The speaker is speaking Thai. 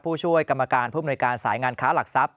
ผู้ช่วยกรรมการผู้มนวยการสายงานค้าหลักทรัพย